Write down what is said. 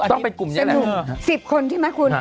ต้องเป็นกลุ่มนี้แหละ